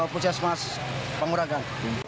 yang satu di depan pusat mas panguragan